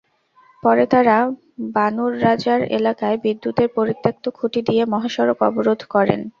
পরে তাঁরা বানুরবাজার এলাকায় বিদ্যুতের পরিত্যক্ত খুঁটি দিয়ে মহাসড়ক অবরোধ করেন।